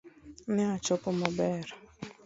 Ne achopo maber